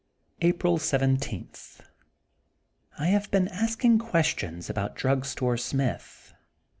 April 17: — ^I have been asking questions about Drug Store Smith.